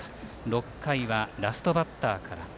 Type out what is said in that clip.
６回はラストバッターから。